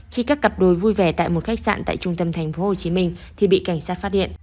khi các cặp đôi vui vẻ tại một khách sạn tại trung tâm thành phố hồ chí minh thì bị cảnh sát phát hiện